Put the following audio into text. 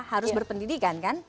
harus berpendidikan kan